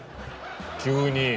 急に。